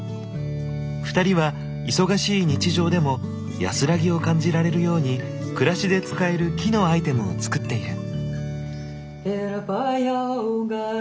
２人は忙しい日常でも安らぎを感じられるように暮らしで使える木のアイテムを作っている。